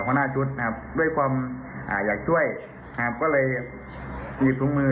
หัวหน้าชุดนะครับด้วยความอ่าอยากช่วยครับก็เลยหยิบถุงมือ